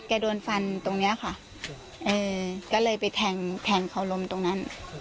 แกโดนฟันตรงนี้ค่ะก็เลยไปแทงเขาลมตรงนั้น